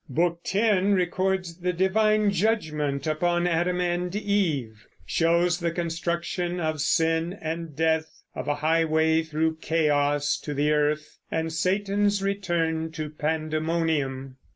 Book X records the divine judgment upon Adam and Eve; shows the construction by Sin and Death of a highway through chaos to the earth, and Satan's return to Pandemonium.